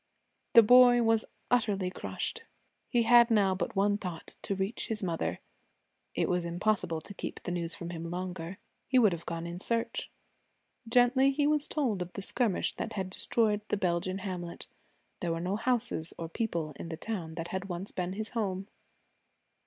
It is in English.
The boy was utterly crushed. He had now but one thought to reach his mother. It was impossible to keep the news from him longer. He would have gone in search. Gently he was told of the skirmish that had destroyed the Belgian hamlet. There were no houses or people in the town that had once been his home.